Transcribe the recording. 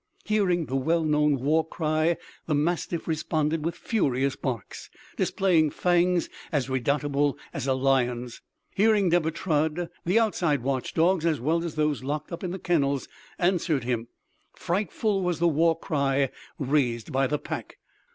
Hearing the well known war cry, the mastiff responded with furious barks, displaying fangs as redoubtable as a lion's. Hearing Deber Trud, the outside watch dogs, as well as those locked up in the kennels, answered him. Frightful was the war cry raised by the pack.